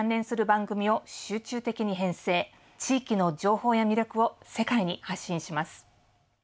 地域の情報や魅力を世界に発信します。